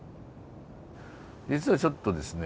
実はちょっとですね